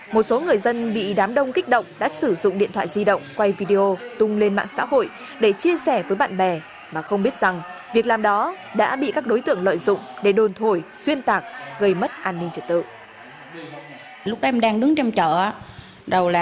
một số người dân bị đám đông kích động đã sử dụng điện thoại di động quay video tung lên mạng xã hội để chia sẻ với bạn bè mà không biết rằng việc làm đó đã bị các đối tượng lợi dụng để đồn thổi xuyên tạc gây mất an ninh trật tự